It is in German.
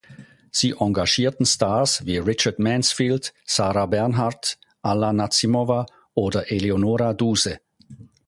Sie engagierten Stars wie Richard Mansfield, Sarah Bernhardt, Alla Nazimova oder Eleonora Duse.